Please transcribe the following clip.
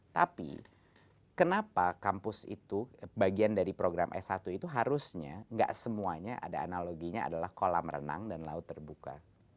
tapi kenapa kampus itu bagian dari program s satu itu harusnya gak semuanya ada analoginya adalah kolam renang dan laut terbuka